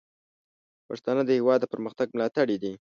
پښتانه د هیواد د پرمختګ ملاتړي دي.